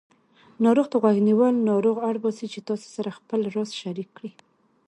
ناروغ ته غوږ نیول ناروغ اړباسي چې تاسې سره خپل راز شریک کړي